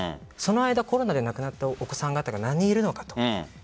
その間、コロナで亡くなったお子さん方が何人いるのかと。